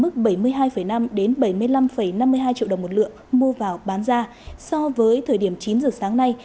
mức bảy mươi hai năm đến bảy mươi năm năm mươi hai triệu đồng một lượng mua vào bán ra so với thời điểm chín giờ sáng nay